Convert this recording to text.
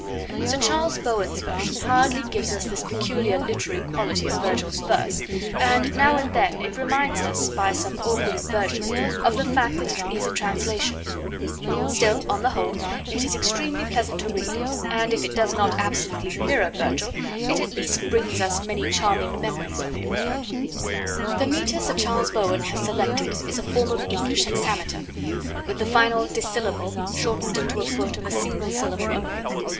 Sir Charles Bowen's version hardly gives us this peculiar literary quality of Virgil's verse, and, now and then, it reminds us, by some awkward inversion, of the fact that it is a translation; still, on the whole, it is extremely pleasant to read, and, if it does not absolutely mirror Virgil, it at least brings us many charming memories of him. The metre Sir Charles Bowen has selected is a form of English hexameter, with the final dissyllable shortened into a foot of a single syllable only.